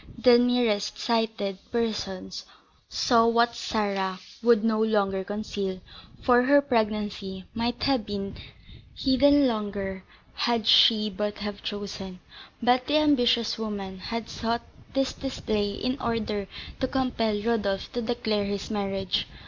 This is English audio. The nearest sighted persons saw what Sarah would no longer conceal, for her pregnancy might have been hidden longer had she but have chosen; but the ambitious woman had sought this display in order to compel Rodolph to declare his marriage.